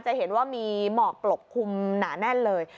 จะเห็นว่ามีหมอกปลกคลุมหนาแน่นเลย